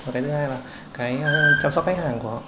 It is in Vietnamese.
và cái thứ hai là cái chăm sóc khách hàng của họ